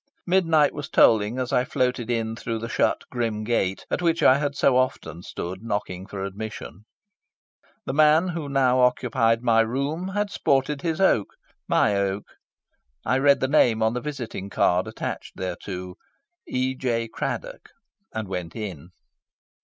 Midnight was tolling as I floated in through the shut grim gate at which I had so often stood knocking for admission. The man who now occupied my room had sported his oak my oak. I read the name on the visiting card attached thereto E. J. Craddock and went in.